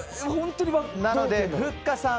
なので、ふっかさん